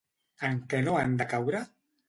En què no han de caure?